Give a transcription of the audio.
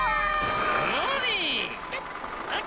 すごい。